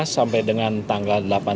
enam belas sampai dengan tanggal